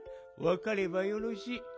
わかればよろしい。